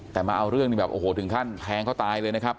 แต่มาเอาเรื่องนี่แบบโอ้โหถึงขั้นแทงเขาตายเลยนะครับ